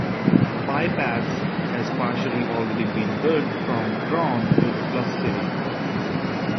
A by-pass has partially already been built from Traun to the "Plus City".